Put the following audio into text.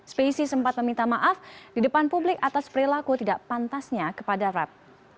spacey sempat meminta maaf di depan publik atas perilaku tidak pantasnya kepada rap